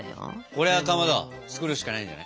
これはかまど作るしかないんじゃない？